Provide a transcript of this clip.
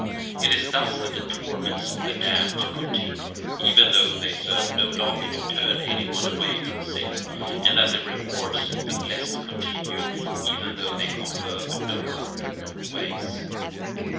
It is thus that the torments of the damned continue, even tho they serve no longer to turn anyone away from sin, and that the rewards of the blest continue, even tho they confirm no one in good ways.